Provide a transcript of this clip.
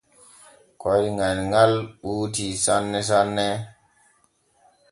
Koyŋal ŋal ɓuutii sanne sanne.